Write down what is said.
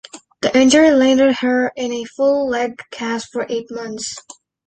The injury landed her in a full leg cast for eight months.